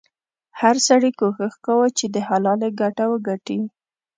هر سړي کوښښ کاوه چې د حلالې ګټه وګټي.